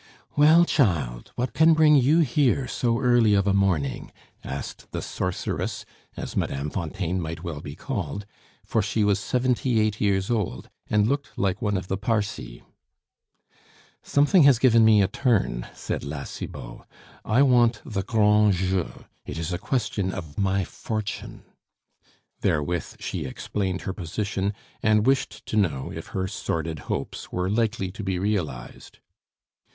"Well, child, what can bring you here so early of a morning?" asked the sorceress, as Mme. Fontaine might well be called, for she was seventy eight years old, and looked like one of the Parcae. "Something has given me a turn," said La Cibot; "I want the grand jeu; it is a question of my fortune." Therewith she explained her position, and wished to know if her sordid hopes were likely to be realized.